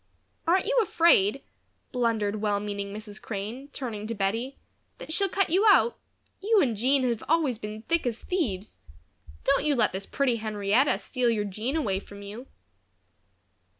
"Aren't you afraid," blundered well meaning Mrs. Crane, turning to Bettie, "that she'll cut you out? You and Jean have always been as thick as thieves. Don't you let this pretty Henrietta steal your Jean away from you."